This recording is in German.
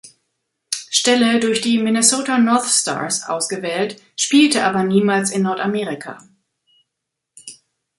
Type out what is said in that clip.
Stelle durch die Minnesota North Stars ausgewählt, spielte aber niemals in Nordamerika.